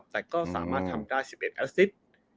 แต่ก็สามารถทำได้๑๑แอสซิต